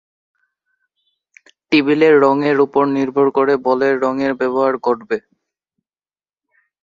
টেবিলের রঙের উপর নির্ভর করে বলের রঙের ব্যবহার ঘটবে।